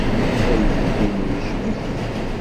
Ayefki-nni yecmet.